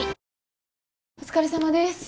お疲れさまです。